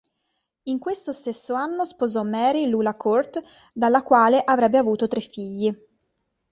In questo stesso anno sposò Mary Lula Court dalla quale avrebbe avuto tre figli.